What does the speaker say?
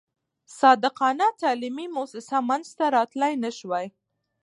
صادقانه تعلیمي موسسه منځته راتلای نه شوای.